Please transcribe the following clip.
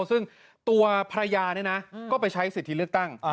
ซึ่งตัวภรรยาเนี่ยนะก็ไปใช้สิทธิเลือกตั้ง